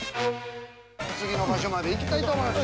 次の場所まで行きたいと思います。